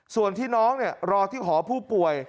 ส่วนที่น้องรอที่หอผู้ป่วย